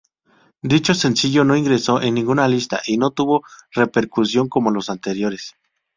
Dicho sencillo no ingresó en ninguna lista y no tuvo repercusión, como los anteriores.